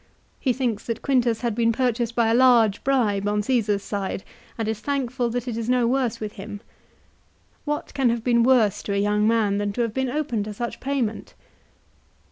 He thinks that Quintus had been purchased by a large bribe on Caesar's side, and is thankful that it is no worse with him. What can have been worse to a young man than to have been open to such payment